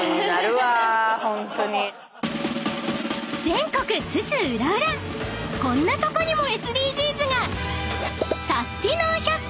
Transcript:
［全国津々浦々こんなとこにもＳＤＧｓが！］